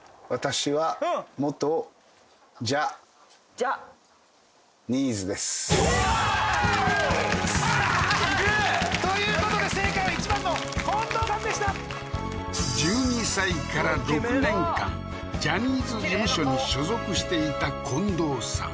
よっしゃすげえということで正解は１番の近藤さんでした１２歳から６年間ジャニーズ事務所に所属していた近藤さん